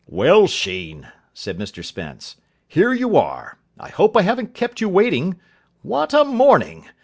"Well, Sheen," said Mr Spence, "here you are. I hope I haven't kept you waiting. What a morning!